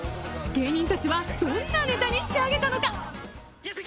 ［芸人たちはどんなネタに仕上げたのか？］